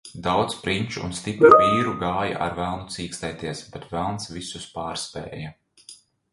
Daudz prinču un stipru vīru gāja ar velnu cīkstēties, bet velns visus pārspēja.